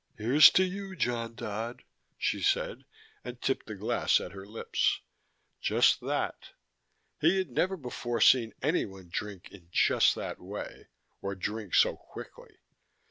"Here's to you, John Dodd," she said, and tipped the glass at her lips just that. He had never before seen anyone drink in just that way, or drink so quickly.